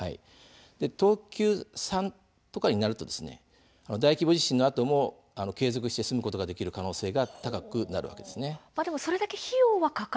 等級３とかになると大規模地震のあとも継続して住むことができる可能性が高くなるわけです。